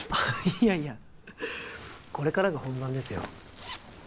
いやいやこれからが本番ですよ